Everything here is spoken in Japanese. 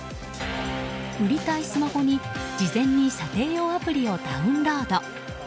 売りたいスマホに事前に査定用アプリをダウンロード。